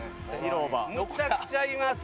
めちゃくちゃいます